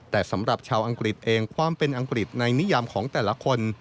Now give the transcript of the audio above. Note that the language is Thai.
แต่สำหรับชาวอังกฤษเองความเป็นอังกฤษในนิยามของแต่ละคน